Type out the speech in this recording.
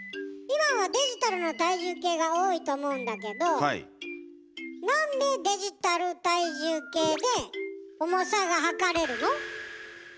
今はデジタルの体重計が多いと思うんだけどなんでデジタル体重計で重さがはかれるの？